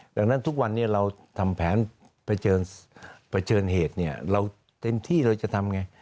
ดังนั้นทุกวันนี้เราทำแผนเผชิญเหตุเนี่ยเราเต็มที่เราจะทำไง